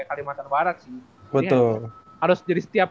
jadi setiap daerah harusnya punya orang kaya aldo bisa berguna